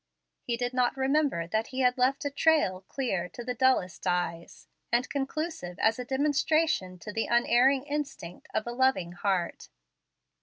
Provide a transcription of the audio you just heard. He did not remember that he had left a trail clear to dullest eyes, and conclusive as a demonstration to the unerring instinct of a loving heart.